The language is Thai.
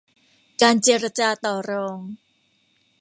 การเจรจาต่อรอง